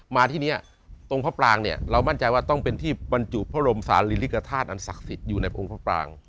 มาที่นี้ตรงพระปรางเนี่ยเรามั่นใจว่าต้องเป็นที่บรรจุพระบรมศาลิริกฐาตุอันศักดิ์สิทธิ์อยู่ในองค์พระปราง